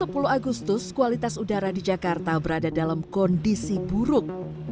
pada sepuluh agustus kualitas udara di jakarta berada dalam kondisi buruk